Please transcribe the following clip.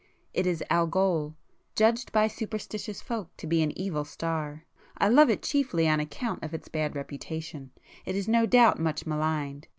It is Algol,—judged by superstitious folk to be an evil star. I love it chiefly on account of its bad reputation,—it is no doubt much maligned.